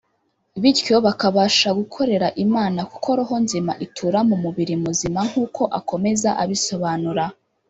bityo bakabasha gukorera Imana kuko “roho nzima itura mu mubiri muzima”; nk’uko akomeza abisobanura